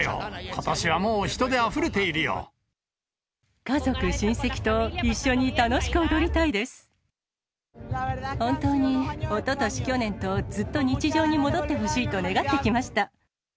ことしはもう、家族、親戚と、本当におととし、去年と、ずっと日常に戻ってほしいと願ってきました。